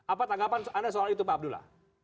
apa tanggapan anda soal itu pak abdullah